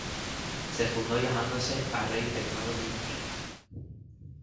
Se fundó llamándose "Array Technology Inc.